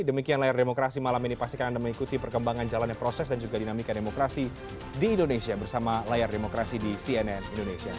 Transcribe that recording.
demikian layar demokrasi malam ini pastikan anda mengikuti perkembangan jalannya proses dan juga dinamika demokrasi di indonesia bersama layar demokrasi di cnn indonesia